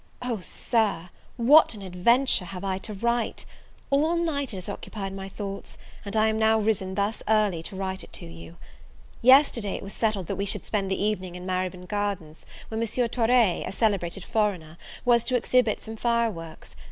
O SIR, what and adventure have I to write! all night it has occupied my thoughts, and I am now risen thus early to write it to you. Yesterday it was settled that we should spend the evening in Marybone Gardens, where M. Torre, a celebrated foreigner, was to exhibit some fire works.